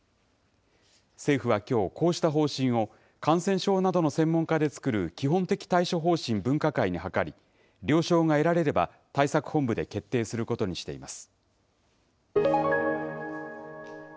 政府はきょう、こうした方針を、感染症などの専門家で作る基本的対処方針分科会に諮り、了承が得られれば、対策本部で決定することにしています。